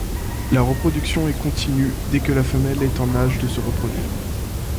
La reproduction est continue dès que la femelle est en âge de se reproduire.